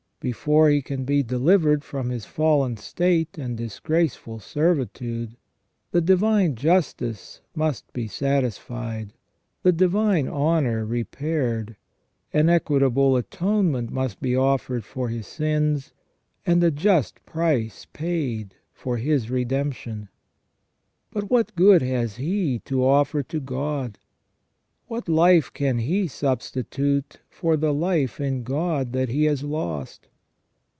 Before he can be delivered from his fallen state and disgraceful servitude, the divine justice must be satisfied, the divine honour repaired, an equitable atonement must be offered for his sins, and a just price paid for his redemption. But what good has he to offer to God ? What life can he substitute for the life in God that he has lost